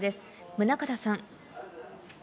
宗像さん。